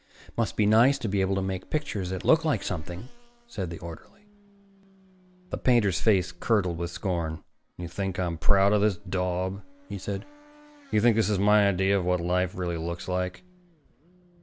"Must be nice to be able to make pictures that look like something," said the orderly. The painter's face curdled with scorn. "You think I'm proud of this daub?" he said. "You think this is my idea of what life really looks like?"